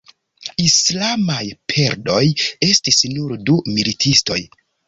Islamaj perdoj estis nur du militistoj.